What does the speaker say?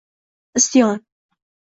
Isyon —